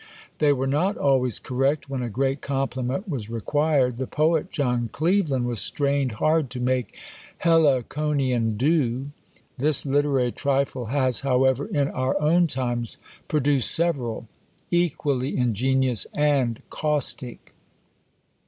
They were not always correct when a great compliment was required; the poet John Cleveland was strained hard to make Heliconian dew. This literary trifle has, however, in our own times produced several, equally ingenious and caustic.